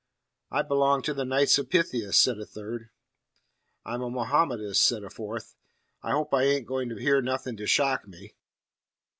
"I belong to the Knights of Pythias," said a third. "I'm a Mohammedist," said a fourth; "I hope I ain't goin' to hear nothin' to shock me."